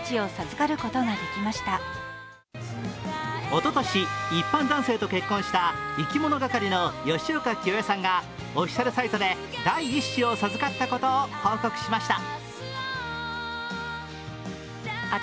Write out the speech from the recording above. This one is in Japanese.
おととし一般男性と結婚したいきものがかりの吉岡聖恵さんがオフィシャルサイトで第一子を授かったことを報告しました。